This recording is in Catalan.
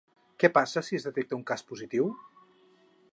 Què passa si es detecta un cas positiu?